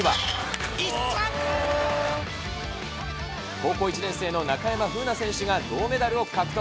高校１年生の中山楓奈選手が銅メダルを獲得。